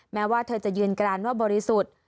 แม้ว่าเธอจะยืนกรานว่าบริสุทธิ์